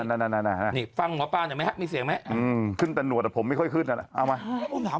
นามิฟังกว่าปวดมาไม่มิเสียงไหมอืมชื่นแต่หนวดผมไม่ค่อยขึ้นแล้วเอาไหม